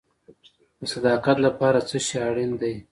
د صداقت لپاره څه شی اړین دی؟